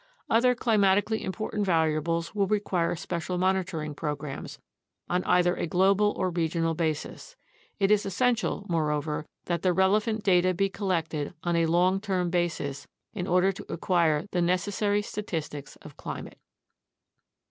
Other climatically im portant variables will require special monitoring programs, on either a global or regional basis. It is essential, moreover, that the relevant data be collected on a long term basis in order to acquire the necessary statistics of climate.